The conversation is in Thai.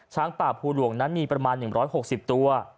ป่าภูหลวงนั้นมีประมาณ๑๖๐ตัว